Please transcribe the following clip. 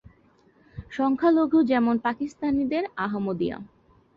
সংখ্যালঘু যেমন পাকিস্তানের আহমদিয়া।